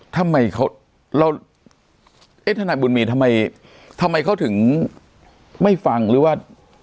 ทำไมเขาเราเอ๊ะทนายบุญมีทำไมทำไมเขาถึงไม่ฟังหรือว่า